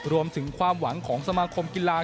รวมถึงความหวังของสมาคมกีฬา